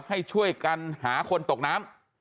ให้ช่วยกันหาคนตกน้ำ